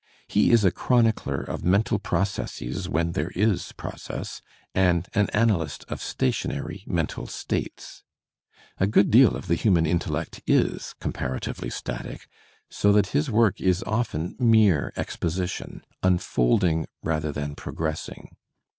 He is a chronicler of mental processes when there is process, and an analyst of stationary mental states. A good deal of the hmnan intellect is comparatively static, so that his work is often mere exposition, unfolding rather than progressing.